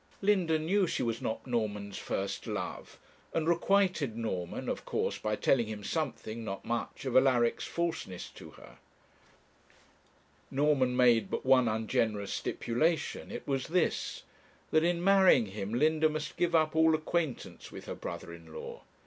Linda knew she was not Norman's first love, and requited Norman, of course, by telling him something, not much, of Alaric's falseness to her. Norman made but one ungenerous stipulation. It was this: that in marrying him Linda must give up all acquaintance with her brother in law.